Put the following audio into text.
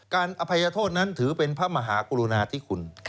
อภัยโทษนั้นถือเป็นพระมหากรุณาธิคุณ